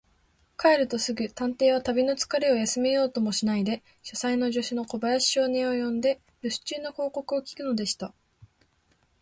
帰るとすぐ、探偵は旅のつかれを休めようともしないで、書斎に助手の小林少年を呼んで、るす中の報告を聞くのでした。